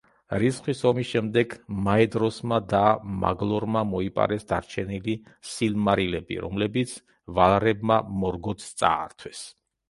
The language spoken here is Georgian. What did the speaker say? რისხვის ომის შემდეგ მაედროსმა და მაგლორმა მოიპარეს დარჩენილი სილმარილები, რომლებიც ვალარებმა მორგოთს წაართვეს.